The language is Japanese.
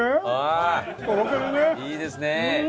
いいですね！